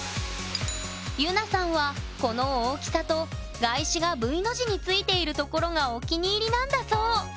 ゆなさんはこの大きさとがいしがＶの字についているところがお気に入りなんだそう。